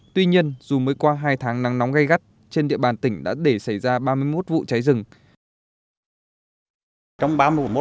tuy nhiên dù mới qua hai tháng nắng nóng gây gắt trên địa bàn tỉnh đã để xảy ra ba mươi một vụ cháy rừng